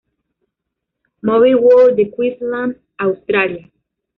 Movie World de Queensland, Australia.